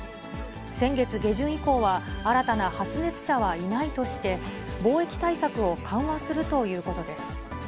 先月下旬以降は新たな発熱者はいないとして、防疫対策を緩和するということです。